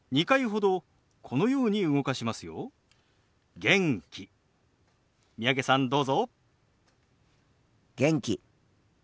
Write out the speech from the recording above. どうぞ。